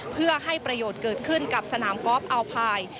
เพื่อให้ประโยชน์เกิดขึ้นกับสนามกอล์ฟอัลพาย